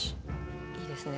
いいですね。